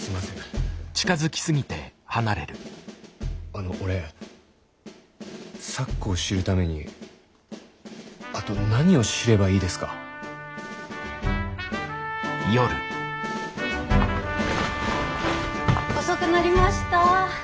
あの俺咲子を知るためにあと何を知ればいいですか？遅くなりました。